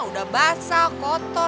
udah basah kotor